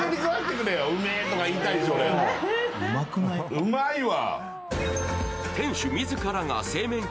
うまいわ。